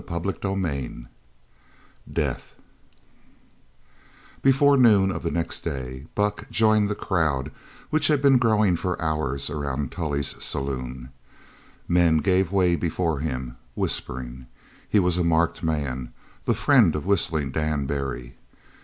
CHAPTER XXXVII DEATH Before noon of the next day Buck joined the crowd which had been growing for hours around Tully's saloon. Men gave way before him, whispering. He was a marked man the friend of Whistling Dan Barry.